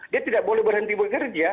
dia tidak boleh berhenti bekerja